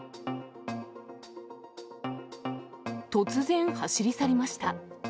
突然、走り去りました。